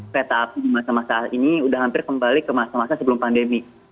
kereta api di masa masa ini sudah hampir kembali ke masa masa sebelum pandemi